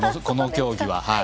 この競技は。